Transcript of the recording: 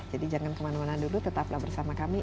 jadi jangan kemana mana dulu tetaplah bersama kami